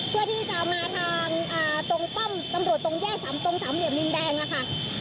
เพื่อที่จะมาทางตรงป้อมตำรวจตรงแยกสามตรงสามเหลี่ยมดินแดงค่ะ